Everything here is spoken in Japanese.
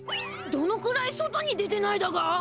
どのくらい外に出てないだか？